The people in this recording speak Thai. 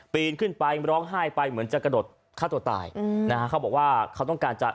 ปีนขึ้นไปร้องไห้ไปเหมือนจะกระดดค่าตัวตาย